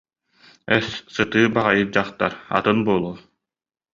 Эс, сытыы баҕайы дьахтар, атын буолуо